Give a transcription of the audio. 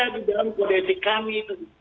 di dalam kode etik kami itu